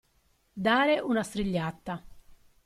Dare una strigliata.